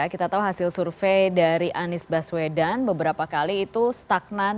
kita tahu hasil survei dari anies baswedan beberapa kali itu stagnan